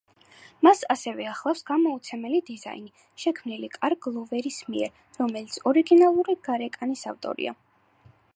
მას ასევე ახლავს გამოუცემელი დიზაინი, შექმნილი კარლ გლოვერის მიერ, რომელიც ორიგინალური გარეკანის ავტორია.